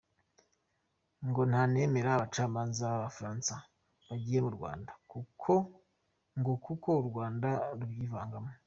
Ngo ntanemera abacamanza b’Abafaransa bagiye mu Rwanda, ngo kuko “u Rwanda rubyivangamo”.